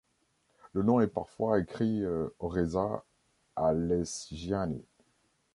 Le nom est parfois écrit Orezza-Alesgiani.